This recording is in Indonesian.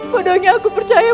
bodohnya aku percaya